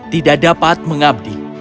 tidak dapat mengabdi